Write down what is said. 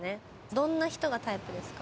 どんな人がタイプですか？